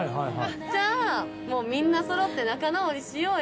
じゃあもうみんなそろって仲直りしようよ。